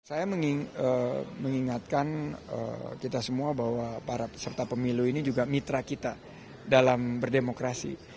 saya mengingatkan kita semua bahwa para peserta pemilu ini juga mitra kita dalam berdemokrasi